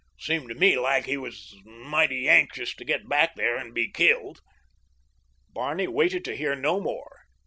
Seemed to me like he was mighty anxious to get back there an' be killed." Barney waited to hear no more.